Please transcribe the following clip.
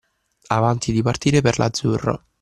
Avanti di partire per l’azzurro